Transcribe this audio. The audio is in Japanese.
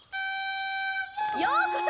ようこそ！